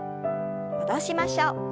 戻しましょう。